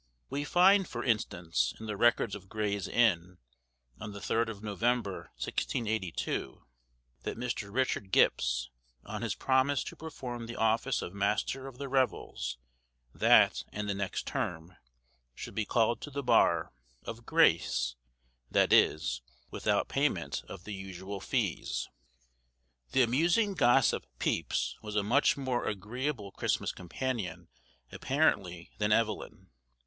We find, for instance, in the records of Gray's Inn, on the 3d of November, 1682, that Mr. Richard Gipps, on his promise to perform the office of master of the revels that and the next term, should be called to the bar, of grace, that is, without payment of the usual fees. The amusing gossip Pepys was a much more agreeable Christmas companion apparently than Evelyn.